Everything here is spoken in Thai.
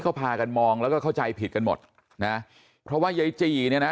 ก็พากันมองแล้วก็เข้าใจผิดกันหมดนะเพราะว่ายายจีเนี่ยนะ